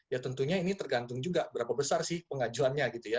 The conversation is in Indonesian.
ya tentunya ini tergantung juga berapa besar sih pengajuannya gitu ya